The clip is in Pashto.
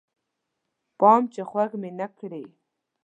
پام چې خوږ مې نه کړې